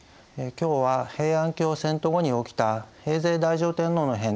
今日は平安京遷都後に起きた平城太上天皇の変。